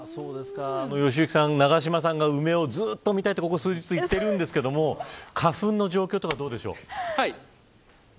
良幸さん、永島さんが梅を見たいとここ数日、言ってるんですけど花粉の状況とかどうでしょう。